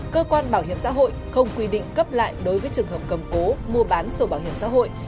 cơ quan bảo hiểm xã hội không quy định cấp lại đối với trường hợp cầm cố mua bán sổ bảo hiểm xã hội